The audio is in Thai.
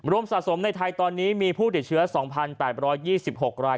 สะสมในไทยตอนนี้มีผู้ติดเชื้อ๒๘๒๖ราย